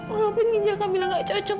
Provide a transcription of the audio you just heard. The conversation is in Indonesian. walaupun ginjal kamilah gak cocok